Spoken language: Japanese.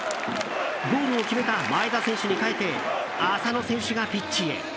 ゴールを決めた前田選手に代えて浅野選手がピッチへ。